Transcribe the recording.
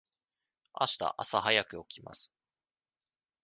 あした朝早く起きます。